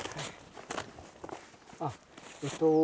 あっえっと